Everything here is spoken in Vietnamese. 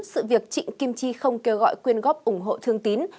sự việc trịnh kim chi không kêu gọi quyên góp ủng hộ thương tín